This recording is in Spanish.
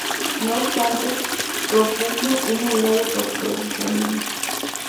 No obstante, propugnó un moderado proteccionismo.